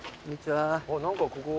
何かここ。